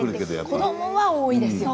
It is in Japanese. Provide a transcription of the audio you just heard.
子どもは多いですよ。